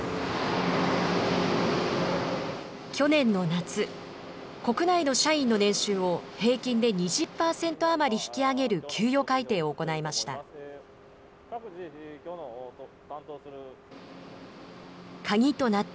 去年の夏、国内の社員の年収を平均で２０％余り引き上げる給与改定を行いました。